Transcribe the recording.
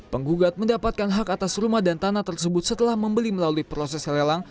penggugat mendapatkan hak atas rumah dan tanah tersebut setelah membeli melalui proses lelang